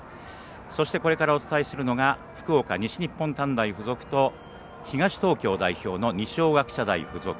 そして、これからお伝えするのが福岡、西日本短大付属と東東京代表の二松学舎大付属。